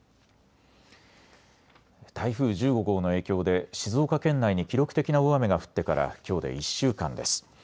台風１５号の影響で静岡県内に記録的な大雨が降ってからきょうで１週間です。